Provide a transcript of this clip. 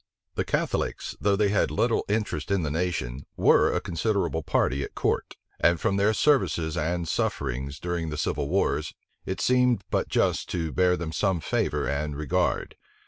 The Catholics, though they had little interest in the nation, were a considerable party at court; and from their services and sufferings during the civil wars, it seemed but just to bear them some favor and regard.